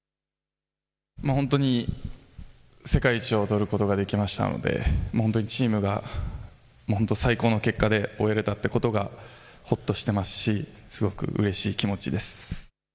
本当に世界一を取ることができましたので本当にチームが本当、最高の結果で終えたということがほっとしていますしすごくうれしい気持ちです。